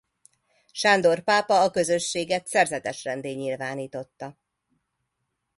Sándor pápa a közösséget szerzetesrenddé nyilvánította.